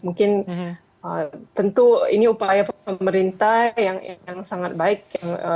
mungkin tentu ini upaya pemerintah yang sangat baik